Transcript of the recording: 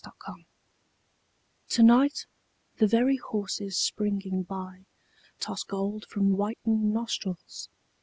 WINTER EVENING To night the very horses springing by Toss gold from whitened nostrils.